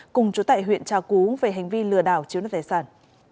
cùng chú tại huyện trà cú về hành vi lừa đảo chiếu đất tài sản